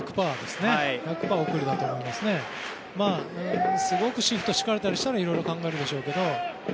すごくシフト敷かれたらいろいろ考えるでしょうけど。